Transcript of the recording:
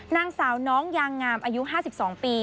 นางสาวน้องยางงามอายุ๕๒ปี